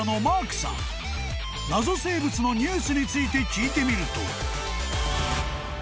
［謎生物のニュースについて聞いてみると］